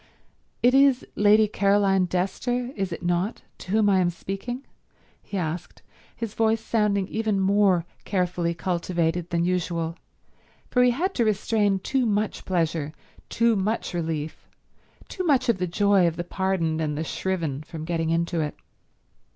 "It is Lady Caroline Dester, is it not, to whom I am speaking?" he asked, his voice sounding even more carefully cultivated than usual, for he had to restrain too much pleasure, too much relief, too much of the joy of the pardoned and the shriven from getting into it.